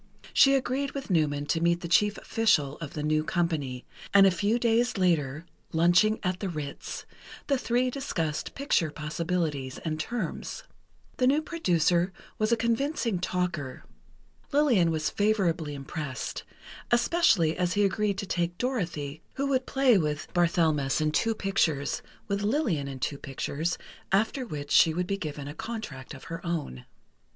She agreed with Newman to meet the chief official of the new company, and a few days later, lunching at the Ritz, the three discussed picture possibilities and terms. The new producer was a convincing talker. Lillian was favorably impressed, especially as he agreed to take Dorothy, who would play with Barthelmess in two pictures, with Lillian in two pictures, after which she would be given a contract of her own.